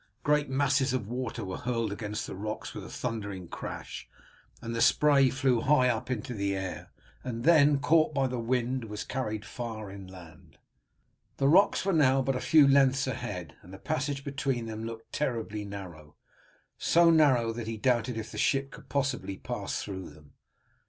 Great masses of water were hurled against the rocks with a thundering crash, and the spray flew high up into the air, and then, caught by the wind, was carried far inland. The rocks were now but a few lengths ahead, and the passage between them looked terribly narrow, so narrow that he doubted if the ship could possibly pass through them.